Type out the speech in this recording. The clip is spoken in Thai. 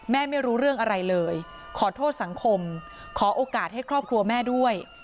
ไม่รู้เรื่องอะไรเลยขอโทษสังคมขอโอกาสให้ครอบครัวแม่ด้วย